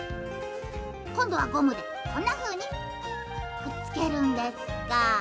こんどはゴムでこんなふうにくっつけるんですか。